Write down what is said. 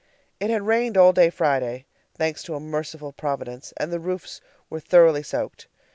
It had rained all day Friday, thanks to a merciful Providence, and the roofs were thoroughly soaked.